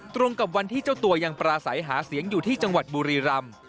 ตรงกับวันที่เจ้าตัวยังปราศัยหาเสียงอยู่ที่จังหวัดบุรีรำ